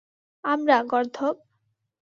আমরা, গর্দভ।